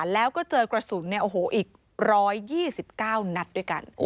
แล้วก็เจอกระสุนอีก๑๒๙นัดด้วยกัน